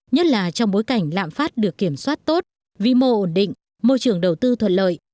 nhất là trong bối cảnh lạm phát được kiểm soát tốt vi mô ổn định môi trường đầu tư thuận lợi